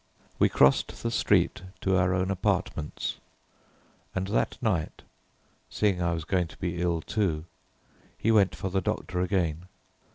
We crossed the street to our own apartments, and that night, seeing I was going to be ill too, he went for the doctor again.